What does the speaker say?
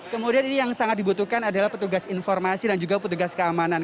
kemudian ini yang sangat dibutuhkan adalah petugas informasi dan juga petugas keamanan